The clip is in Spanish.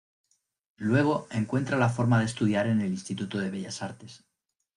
Luego, encuentra la forma de estudiar en el Instituto de Bellas Artes.